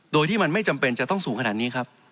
โดยที่มันไม่จำเป็นจะต้องสูงขนาดนี้ครับ